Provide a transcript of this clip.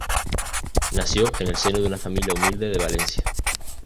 Nació en el seno de una familia humilde de Valencia.